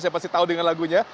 siapa sih tau dengan lagunya